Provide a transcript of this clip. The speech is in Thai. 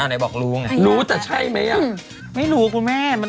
ไหนบอกรู้ไงรู้แต่ใช่ไหมอ่ะไม่รู้คุณแม่